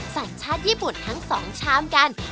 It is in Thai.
สัญชาติญี่ปุ่นทั้ง๒ชามกัน